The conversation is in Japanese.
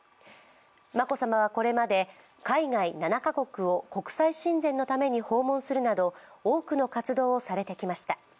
眞子さまはこれまで海外７カ国を国際親善のために訪問するなど多くの活動をされてきました。